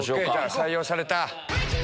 採用された。